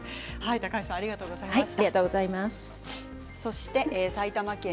高橋さんありがとうございました。